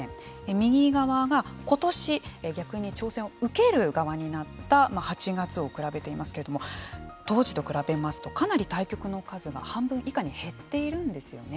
右側が今年逆に挑戦を受ける側になった８月を比べていますけれども当時と比べますとかなり対局の数が半分以下に減っているんですよね。